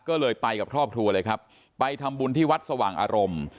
ก็เลยไปกับครอบครัวเลยครับไปทำบุญที่วัดสว่างอารมณ์